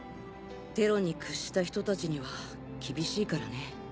テロに屈した人たちには厳しいからね。